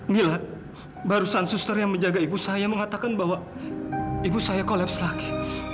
mila barusan suster yang menjaga ibu saya mengatakan bahwa ibu saya kolaps lagi